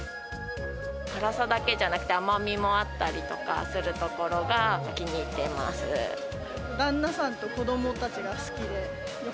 辛さだけじゃなくて甘みもあったりとかするところが気に入っ旦那さんと子どもたちが好き